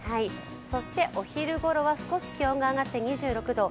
そしてお昼頃は少し気温が上がって２６度。